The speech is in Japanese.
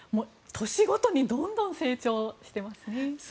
年ごとにどんどん成長してますね。